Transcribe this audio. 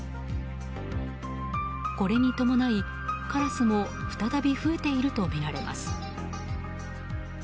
これに伴い、カラスも再び増えているとみられます。